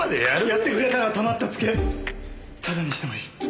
やってくれたらたまったツケタダにしてもいい。